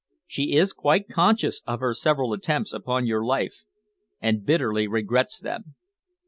She is quite conscious of her several attempts upon your life and bitterly regrets them.